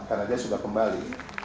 karena dia sudah kembali